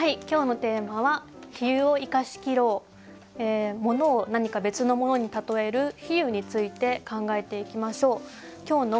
今日のテーマは「比喩を生かし切ろう」。ものを何か別のものに例える比喩について考えていきましょう。